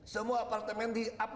semua apartemen di upload